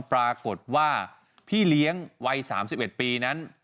ปรากฏว่าพี่เลี้ยงวัย๓๑ปีนั้น